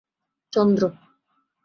– চন্দ্র।